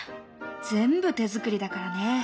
全部手作りだからね。